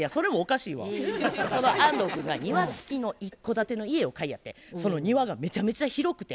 その安藤君が庭つきの一戸建ての家を買いやってその庭がめちゃめちゃ広くて。